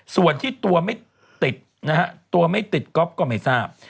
ส่วนที่ตัวไม่ติดนะฮะตัวไม่ติดก๊อฟก็ไม่ทราบ